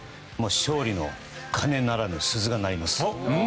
勝利の鐘ならぬすずが鳴ります。